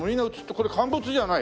これ乾物じゃない？